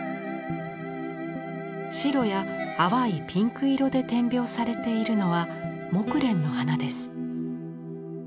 白や淡いピンク色で点描されているのはモクレンの花です。